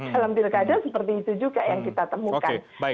dalam pilkada seperti itu juga yang kita temukan